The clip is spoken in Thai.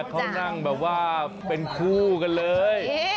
เขานั่งแบบว่าเป็นคู่กันเลย